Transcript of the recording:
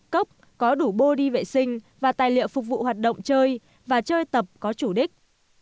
cốc có đủ bô đi vệ sinh và tài liệu phục vụ hoạt động chơi và chơi tập có chủ đích